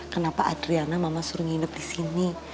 kenapa adriana mama suruh nginep disini